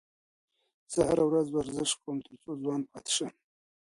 زه هره ورځ ورزش کوم تر څو ځوان پاتې شم.